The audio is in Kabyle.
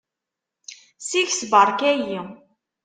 Seg-s beṛka-yi.